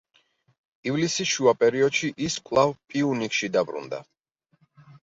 ივლისის შუა პერიოდში ის კვლავ „პიუნიკში“ დაბრუნდა.